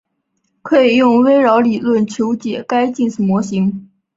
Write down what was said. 可以用微扰理论求解该近似模型。